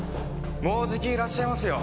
もうじきいらっしゃいますよ。